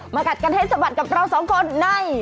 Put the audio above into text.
กัดกันให้สะบัดกับเราสองคนใน